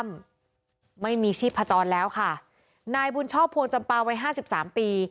ไม่มีชีพจรแล้วค่ะนายบุญชอบพวงจำปาวัยห้าสิบสามปี